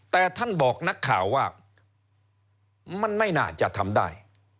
แต่ท่านบอกนักข่าวว่ามันไม่น่าจะทำได้